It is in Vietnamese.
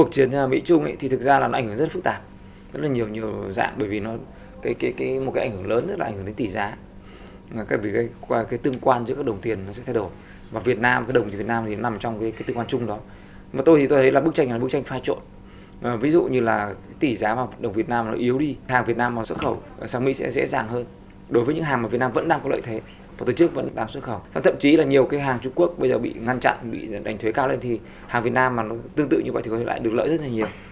thậm chí là nhiều cái hàng trung quốc bây giờ bị ngăn chặn bị đánh thuế cao lên thì hàng việt nam mà nó tương tự như vậy thì có thể lại được lợi rất là nhiều